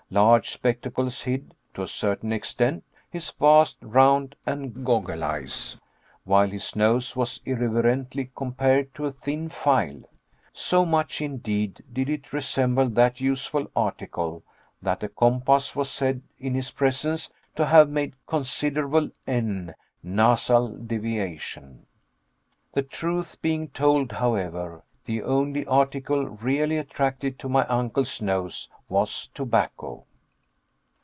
Large spectacles hid, to a certain extent, his vast, round, and goggle eyes, while his nose was irreverently compared to a thin file. So much indeed did it resemble that useful article, that a compass was said in his presence to have made considerable N (Nasal) deviation. The truth being told, however, the only article really attracted to my uncle's nose was tobacco.